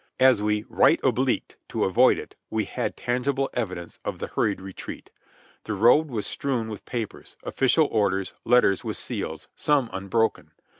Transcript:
As we "right obHqued" to avoid it, we had tangible evidence of the hurried retreat. The road was strewn with papers, official orders, letters with seals, some unbroken.